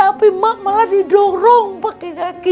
tapi mak malah didorong pakai kaki